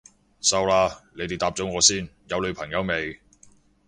收啦，你哋答咗我先，有女朋友未？